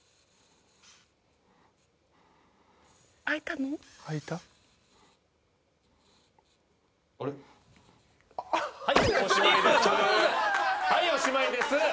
はいおしまいです。